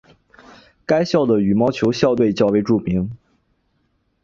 该校的羽毛球校队较为著名。